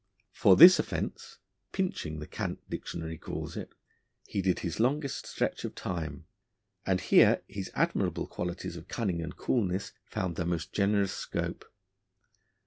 For this offence 'pinching' the Cant Dictionary calls it he did his longest stretch of time, and here his admirable qualities of cunning and coolness found their most generous scope.